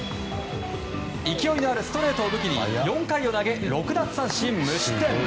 勢いのあるストレートを武器に４回を投げ、６奪三振無失点！